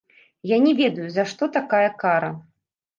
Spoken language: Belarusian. Я не ведаю, за што такая кара!